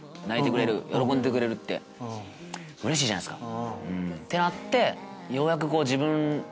うれしいじゃないっすか。